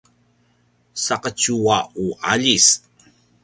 saqetju a u aljis